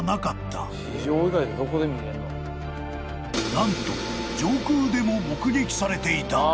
［何と上空でも目撃されていた］